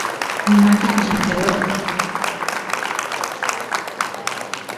makis llamkadoras